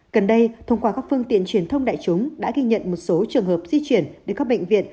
gần đây thông qua các phương tiện truyền thông đại chúng đã ghi nhận một số trường hợp di chuyển đến các bệnh viện